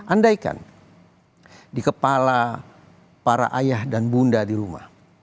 andaikan di kepala para ayah dan bunda di rumah